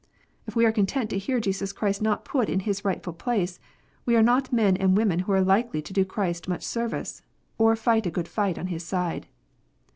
If we are content to hear Jesus Christ not put in His rightful place, we are not men and women who are likely to do Christ much service, or fight a good fight on His side.